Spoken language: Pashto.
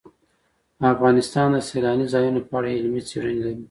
افغانستان د سیلاني ځایونو په اړه علمي څېړنې لري.